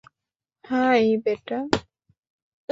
High, বেটা।